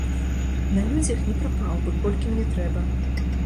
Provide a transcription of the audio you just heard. На людзях не прапаў бы, колькі мне трэба.